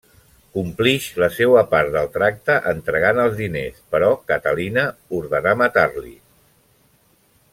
Complix la seua part del tracte entregant els diners, però Catalina ordena matar-li.